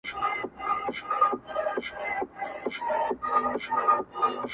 زما تر ټولو امیرانو معتبره،